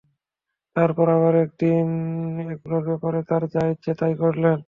তারপর আবার একদিন এগুলোর ব্যাপারে তার যা ইচ্ছা তাই করবেন।